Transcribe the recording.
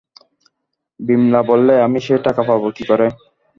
বিমলা বললে, আমি সে টাকা পাব কী করে?